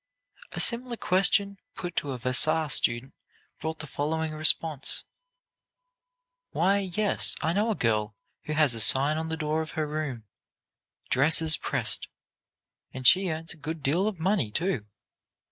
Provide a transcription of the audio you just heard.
A similar question put to a Vassar student brought the following response: "Why, yes, I know a girl who has a sign on the door of her room, 'Dresses pressed,' and she earns a good deal of money, too.